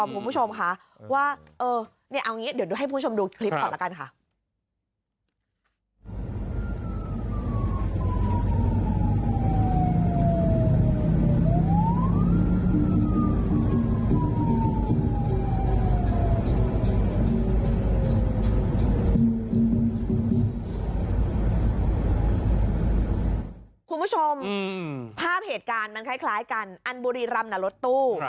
คุณผู้ชมค่ะเหตุการณ์มันคล้ายกันอันบุรีรำน่ะรถตู้